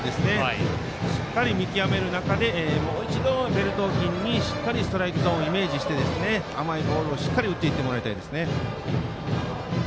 しっかり見極める中でもう一度、ベルト付近にしっかりストライクゾーンをイメージして甘いボールをしっかり打って行ってもらいたいです。